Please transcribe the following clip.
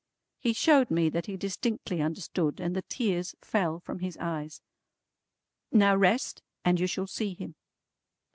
He showed me that he distinctly understood, and the tears fell from his eyes. "Now rest, and you shall see him."